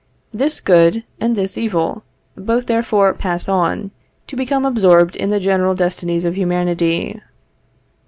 This good, and this evil, both therefore pass on, to become absorbed in the general destinies of humanity.